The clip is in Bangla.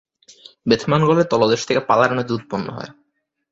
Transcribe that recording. বেথমানগলে তলদেশ থেকে পালার নদী উৎপন্ন হয়।